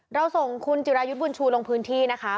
เราส่งคุณจิรายุทธ์บุญชูลงพื้นที่นะคะ